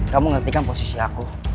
kamu ngerti kan posisi aku